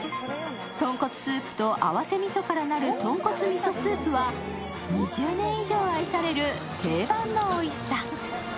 とんこつスープと合わせみそからなるとんこつ味噌スープは２０年以上愛される定番のおいしさ。